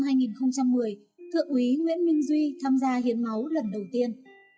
thưa quý nguyễn minh duy tham gia hiến máu lần đầu tiên